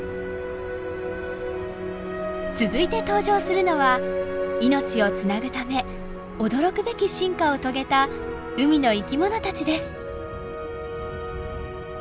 続いて登場するのは命をつなぐため驚くべき進化を遂げた海の生きものたちです。